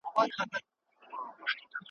د زړه آواز دی څوک به یې واوري؟ `